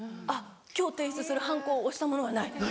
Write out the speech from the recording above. あっ今日提出するはんこを押したものがない。